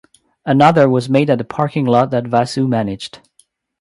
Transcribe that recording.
Another was made at the parking lot that Vasu managed.